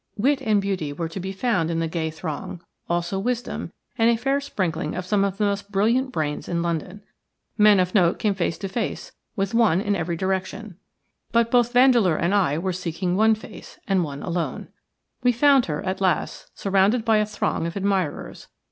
Wit and beauty were to be found in the gay throng, also wisdom, and a fair sprinkling of some of the most brilliant brains in London. Men of note came face to face with one in every direction; but both Vandeleur and I were seeking one face, and one alone. We found her at last, surrounded by a throng of admirers.